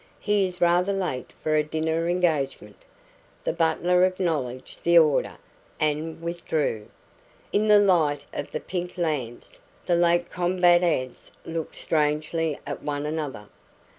He is rather late for a dinner engagement." The butler acknowledged the order and withdrew. In the light of the pink lamps the late combatants looked strangely at one another.